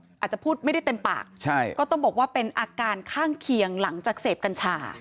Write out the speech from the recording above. อาจจะพูดไม่ได้เต็มปากใช่ก็ต้องบอกว่าเป็นอาการข้างเคียงหลังจากเสพกัญชา